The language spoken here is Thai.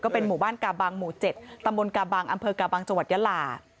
เป็นหมู่บ้านกาบังหมู่๗ตำบลกาบังอำเภอกาบังจังหวัดยาลา